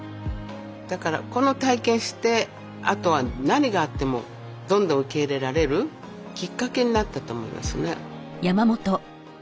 だからこの体験してあとは何があってもどんどん受け入れられるきっかけになったと思いますね。